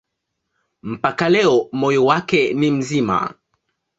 Mpaka leo moyo wake ni mzima.